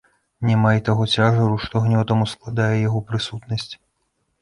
Няма й таго цяжару, што гнётам ускладае яго прысутнасць.